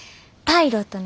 パイロット？